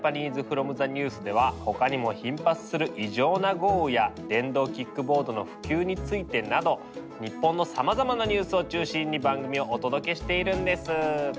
「ＬｅａｒｎＪａｐａｎｅｓｅｆｒｏｍｔｈｅＮｅｗｓ」では他にも頻発する異常な豪雨や電動キックボードの普及についてなど日本のさまざまなニュースを中心に番組をお届けしているんです。